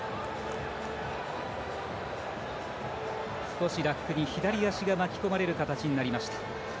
少しラックに左足が巻き込まれる形になりました。